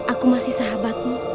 aku masih sahabatmu